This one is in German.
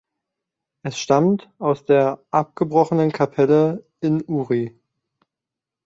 Es stammt aus der abgebrochenen Kapelle in Uhry.